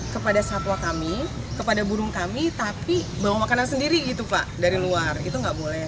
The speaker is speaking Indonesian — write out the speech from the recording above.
kepada satwa kami kepada burung kami tapi bawa makanan sendiri gitu pak dari luar itu nggak boleh